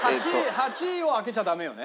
「８位を当てちゃダメ」よね？